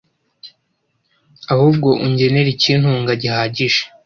ahubwo ungenere ikintunga gihagije